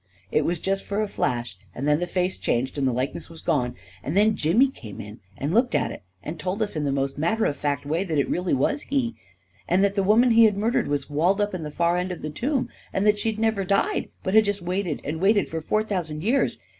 It was just for a flash — and then the face changed, and the likeness was gone. And then Jimmy came in and looked at it, and told us in the most matter of fact way, that it really was he, and that the woman he had murdered was walled up at the far end of the tomb ; and that she had never died, but had just waited and waited, for four thousand years.